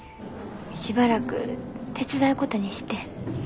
しばらく手伝うことにしてん。